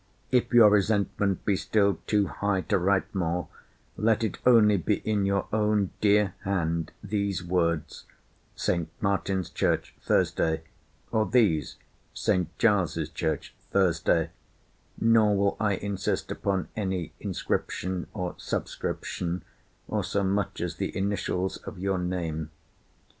If your resentment be still too high to write more, let it only be in your own dear hand, these words, St. Martin's church, Thursday—or these, St. Giles's church, Thursday; nor will I insist upon any inscription or subscription, or so much as the initials of your name.